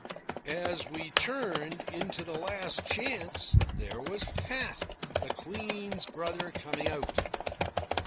As we turned into the Last Chance, there was Pat, the Queen's brother, coming out.